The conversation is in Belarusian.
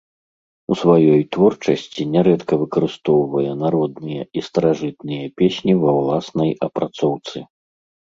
У сваёй творчасці нярэдка выкарыстоўвае народныя і старажытныя песні ва ўласнай апрацоўцы.